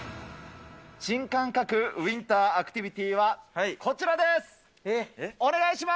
新感覚ウインターアクティビティーはこちらです。